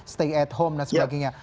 stay at home dan sebagainya